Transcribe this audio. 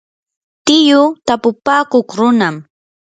tiyuu tapupakuq runam.